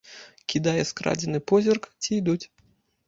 Кідае скрадзены позірк, ці ідуць.